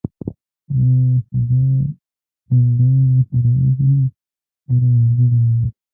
له شجاع الدوله سره اوس هم وېره موجوده وه.